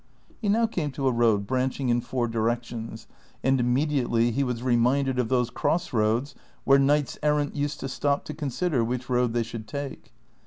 He now came to a road branching in four directions, and immediately he was reminded of those cross roads where knights errant used to stop to consider which road they should take.